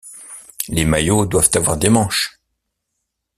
Les maillots doivent avoir des manches.